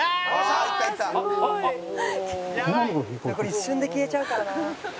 「一瞬で消えちゃうからな」